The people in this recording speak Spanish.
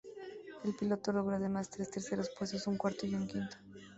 El piloto logró además tres terceros puestos, un cuarto y un quinto.